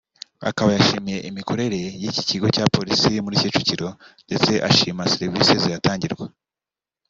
Akaba yashimiye imikorere y’iki kigo cya Polisi muri Kicukiro ndetse ashima serivisi zihatangirwa